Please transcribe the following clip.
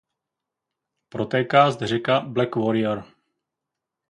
Protéká zde řeka Black Warrior.